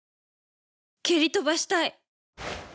蹴り飛ばしたい